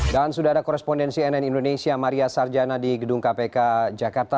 dan sudah ada korespondensi nn indonesia maria sarjana di gedung kpk jakarta